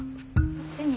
こっちに。